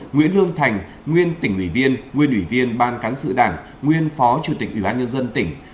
nguyễn lương thành nguyên tỉnh ủy viên nguyên ủy viên ban cán sự đảng nguyên phó chủ tịch ủy ban nhân dân tỉnh